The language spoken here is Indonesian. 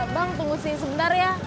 bang tunggu sini sebentar ya